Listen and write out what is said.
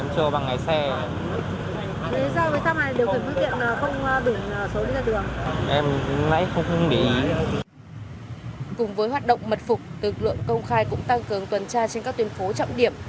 cùng với hoạt động mật phục lượng công khai cũng tăng cường tuần tra trên các tuyến phố trọng điểm